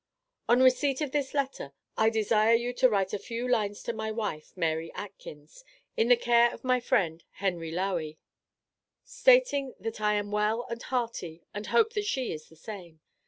On receipt of this letter, I desire you to write a few lines to my wife, Mary Atkins, in the care of my friend, Henry Lowey, stating that I am well and hearty and hoping that she is the same.